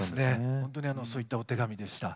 ほんとにそういったお手紙でした。